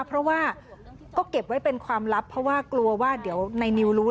เพราะว่าก็เก็บไว้เป็นความลับเพราะว่ากลัวว่าเดี๋ยวในนิวรู้